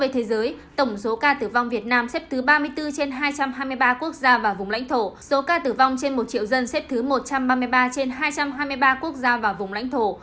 tổng số ca tử vong việt nam xếp thứ ba mươi bốn trên hai trăm hai mươi ba quốc gia và vùng lãnh thổ số ca tử vong trên một triệu dân xếp thứ một trăm ba mươi ba trên hai trăm hai mươi ba quốc gia và vùng lãnh thổ